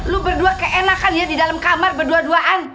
lu berdua keenakan ya di dalam kamar berdua duaan